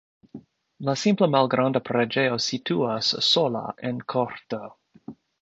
La simpla malgranda preĝejo situas sola en korto.